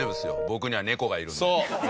僕には猫がいるんで。